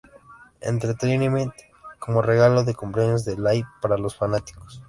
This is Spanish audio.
Entertainment como regalo de cumpleaños de Lay para los fanáticos.